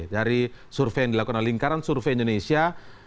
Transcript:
dari survei yang dilakukan oleh lingkaran survei indonesia